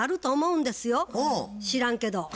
知らんけど。